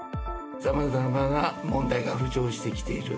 さまざまな問題が浮上してきている。